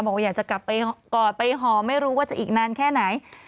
บอกว่าอยากจะกลับไปกอดไปหอมไม่รู้ว่าจะอีกนานแค่ไหน